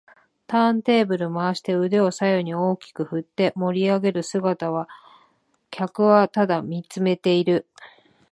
ターンテーブル回して腕を左右に大きく振って盛りあげる姿を客はただ見つめている